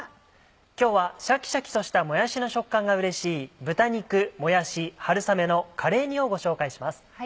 今日はシャキシャキとしたもやしの食感がうれしい「豚肉もやし春雨のカレー煮」をご紹介します。